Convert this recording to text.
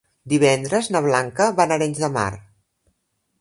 Divendres na Blanca va a Arenys de Mar.